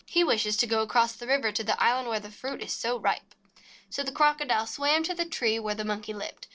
He wishes to go across the river to the island where the fruit is so ripe." So the Crocodile swam to the tree where the Monkey lived.